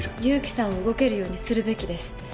勇気さんを動けるようにするべきです。